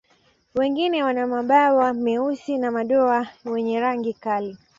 Wengine wana mabawa meusi na madoa wenye rangi kali.